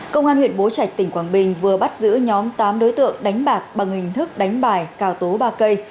công an huyện bố trạch tỉnh quảng bình vừa bắt giữ nhóm tám đối tượng đánh bạc bằng hình thức đánh bài cào tố ba cây